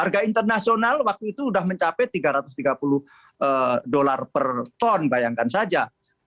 harga internasional waktu itu sudah mencapai tiga ratus tiga puluh dolar per ton bayangkan saja